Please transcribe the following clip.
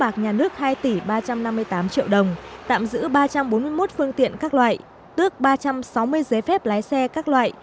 nhà nước hai tỷ ba trăm năm mươi tám triệu đồng tạm giữ ba trăm bốn mươi một phương tiện các loại tước ba trăm sáu mươi giấy phép lái xe các loại